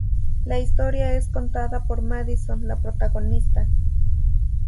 La historia es contada por Madison, la protagonista.